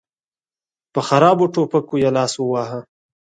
په خرابو ټوپکو یې لاس وواهه.